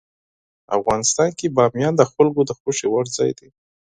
افغانستان کې بامیان د خلکو د خوښې وړ ځای دی.